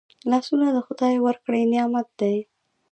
لاسونه خدای ورکړي نعمت دی